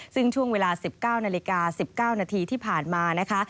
ซึ่งช่วงเวลา๑๙นาฬิกา๑๙นาทีที่ผ่านมานะคะ